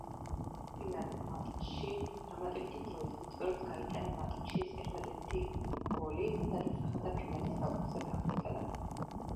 ფინალურ მატჩში დამატებითი დროის მიწურულს გაიტანა მატჩის ერთადერთი გოლი და დასახელდა ფინალის საუკეთესო ფეხბურთელად.